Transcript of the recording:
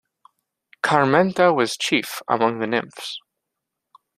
Carmenta was chief among the nymphs.